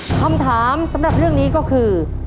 คำถามสำหรับเรื่องนี้ก็คือ